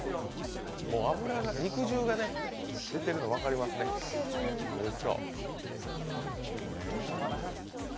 肉汁が出てるの分かりますねおいしそう。